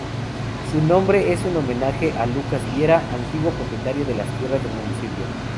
Su nombre es un homenaje a Lucas Vieira, antiguo propietario de tierras del municipio.